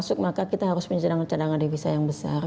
kalau ada yang masuk maka kita harus mencadang cadangan devisa yang besar